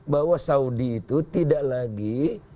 bahwa saudi itu tidak lagi